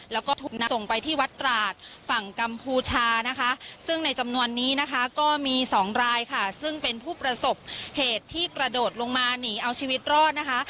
แล้วก็ถูกนำส่งไปที่วัดตราดฝั่งกัมพูชานะคะซึ่งในจำนวนนี้นะคะก็มีสองรายค่ะซึ่งเป็นผู้ประสบเหตุที่กระโดดลงมาหนีเอาชีวิตรอดนะคะ